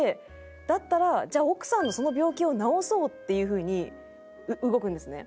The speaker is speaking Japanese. だったらじゃあ奥さんのその病気を治そうっていう風に動くんですね。